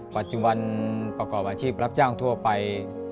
ปัจจุบันประกอบอาชีพรับจ้างทั่วไป